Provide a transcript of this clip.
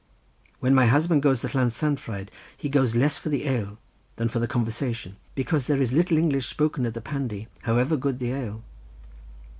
When my husband goes to Llansanfraid he goes less for the ale than for the conversation, because there is little English spoken at the Pandy, however good the ale."